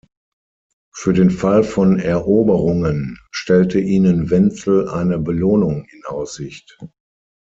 Für den Fall von Eroberungen stellte ihnen Wenzel eine Belohnung in Aussicht.